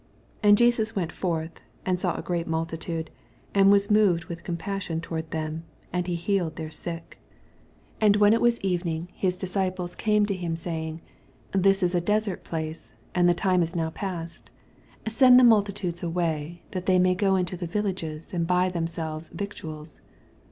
14 And Jesus went forth, and saw a great multitude, and was moved with compassion toward them, and ha healed their sick. 15 And when it was evening, hk I 162 EXPOSITORY THOUGHTS diBcipIes oame to him. saying, This is a desert place, and toe time is now past ; send the multitude away, that they may go into the villages, and boy themselves victuals.